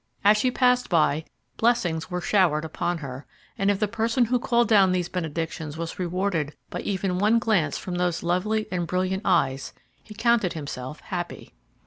As she passed by, blessings were showered upon her, and if the person who called down these benedictions was rewarded by even one glance from those lovely and brilliant eyes, he counted himself happy.